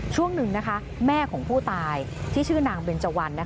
ช่วงหนึ่งแม่ของผู้ตายที่ชื่อนางเบนเจวัน